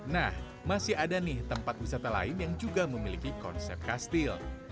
nah masih ada nih tempat wisata lain yang juga memiliki konsep kastil